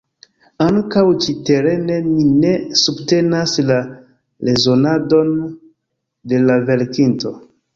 Ankaŭ ĉi-terene mi ne subtenas la rezonadon de la verkinto.